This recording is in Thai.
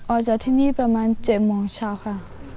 ออกจากที่นี่ประมาณ๗โมงเช้าค่ะ